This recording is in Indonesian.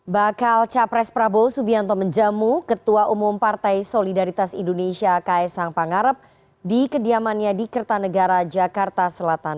bakal capres prabowo subianto menjamu ketua umum partai solidaritas indonesia kaisang pangarep di kediamannya di kertanegara jakarta selatan